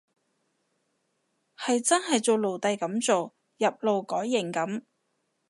係真係做奴隸噉做，入勞改營噉